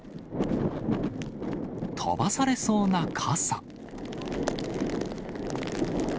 飛ばされそうな傘。